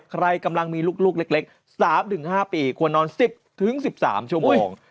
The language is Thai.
ใครกำลังมีลูกเล็กสามถึงห้าปีควรนอนสิบถึงสิบสามชั่วโมง